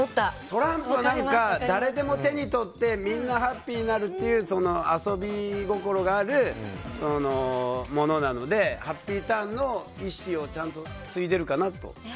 トランプは何か誰でも手に取ってみんなハッピーになるっていう遊び心があるものなのでハッピーターンの意志を継いでるかなと。